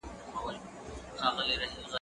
هغه وويل چي پاکوالي مهم دی؟